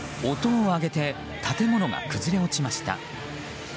音を上げて建物が崩れ落ちました。